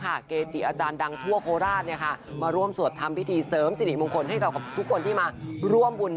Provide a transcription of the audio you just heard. เพียงว่ากระเกจิอาจารย์ดังทั่วโคราชมาร่วมสวดธรรมพิธีเสริมสินิมงคลให้กับทุกคนที่มาร่วมบุญด้วยค่ะ